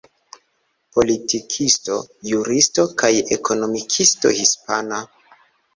Politikisto, juristo kaj ekonomikisto hispana.